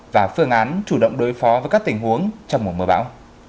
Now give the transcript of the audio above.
và phương án chủ động đối phó với các tình huống trong mùa mưa bão